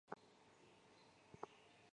北宋襄邑人。